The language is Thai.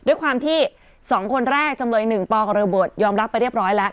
ด้วยความที่๒คนแรกจำเลย๑ปกับโรเบิร์ตยอมรับไปเรียบร้อยแล้ว